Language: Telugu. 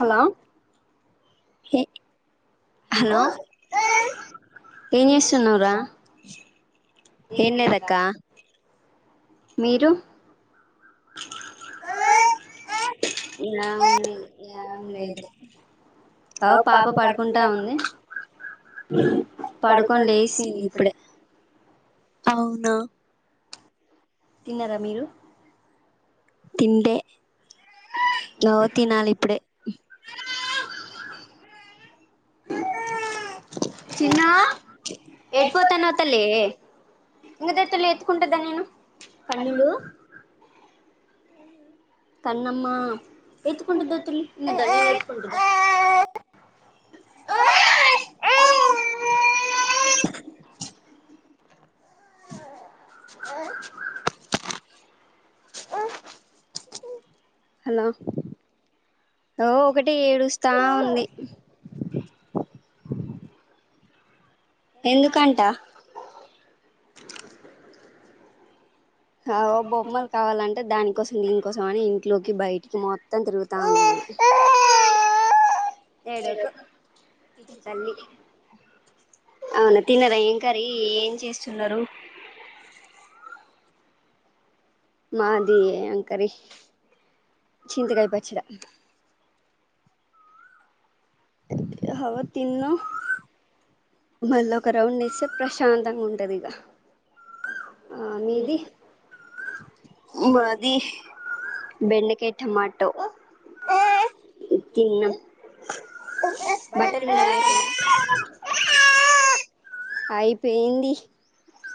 హలో హలో ఏం చేస్తున్నావురా ఏం లేదక్క మీరు ఎలా ఉ లేదు ఎలాం లేదు అ ఓ పాప పడుకుంటా పడుకుంటాంది ఉంది పడుకొని లేసింది ఇప్పుడే అవున తిన్నారా మీరు తిన్లే ఓ తిన్నాను తినాలే ఇప్పుడే చిన్న ఎటు పోతూనావు తల్లి ఇంకా దగ తలో ఎత్తుకుంటందా నేను పన్నులు కన్నమ్ ఎయిత్కంటదితు ఎ ఆ అ హలో ఓ ఒకటె ఏడుస్తా ఉంది ఎందుకంట ఆ బొమ్మలు కావాలంటే అ దానికోసం దీనికోసం అని ఇంట్లోకి బయటికి మొత్తం తిరుగుతా ఉంది ఏడువకు తల్లి అవునా తిన్నరా ఏం కరి ఏం చేస్తున్నారు మాది ఏం కరి చింతకాయ పచ్చడ అ తిన్న మళ్ళ ఒక రౌండ్ ఏస్తే ప్రశాంతంగా ఉంటది ఇగా ఆ మీది అది బెండకాయ టమాటో ఆ తిన్నాం బటర్ విన్నర్ అయితుందా అయిపోయింది